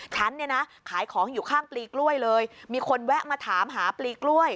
ฉันเนี่ยนะขายของอยู่ข้างปลีกล้วยเลยมีคนแวะมาถามหาปลีกล้วย